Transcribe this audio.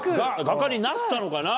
画家になったのかな？